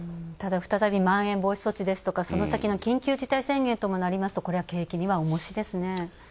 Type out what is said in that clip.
ただ、再びまん延防止措置ですとか、その先の緊急事態宣言ともなりますと、これは景気にはおもしですね。